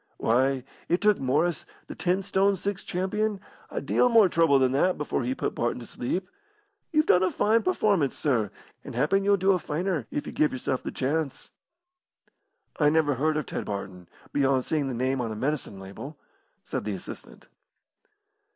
"Why, it took Morris, the ten stone six champion, a deal more trouble than that before he put Barton to sleep. You've done a fine performance, sir, and happen you'll do a finer, if you give yourself the chance." "I never heard of Ted Barton, beyond seeing the name on a medicine label," said the assistant.